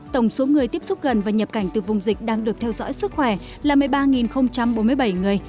tổng số người tiếp xúc gần và nhập cảnh từ vùng dịch đang được theo dõi sức khỏe là một mươi ba bốn mươi bảy người